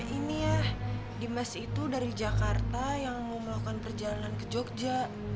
ini ya di mes itu dari jakarta yang mau melakukan perjalanan ke jogja